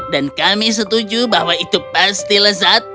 dan kami setuju bahwa itu pasti lezat